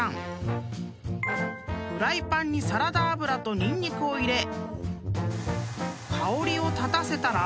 ［フライパンにサラダ油とニンニクを入れ香りを立たせたら］